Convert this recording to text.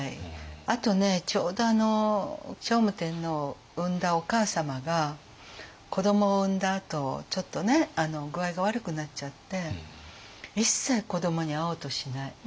あとねちょうど聖武天皇を産んだお母様が子どもを産んだあとちょっと具合が悪くなっちゃって一切子どもに会おうとしない。